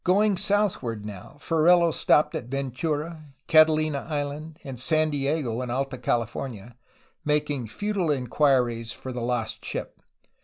Going southward, now, Ferrelo stopped at Ventura, Catalina Island, and San Diego in Alta California, making futile enquiries for the lost ship.